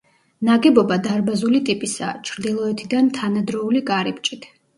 ნაგებობა დარბაზული ტიპისაა, ჩრდილოეთიდან თანადროული კარიბჭით.